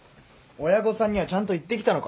親御さんにはちゃんと言ってきたのか？